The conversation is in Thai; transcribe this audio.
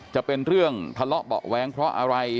จะเป็นเรื่องทะเลาะเบาะแว้งเพราะอะไร